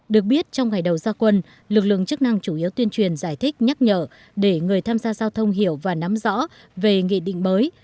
được biết trong ngày đầu gia quân lực lượng chức năng chủ yếu tuyên truyền giải thích nhắc nhở để người tham gia giao thông hiểu và nắm rõ về nghị định mới